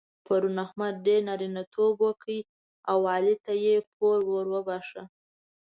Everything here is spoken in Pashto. پرون احمد ډېر نارینتوب وکړ او علي ته يې پور ور وباښه.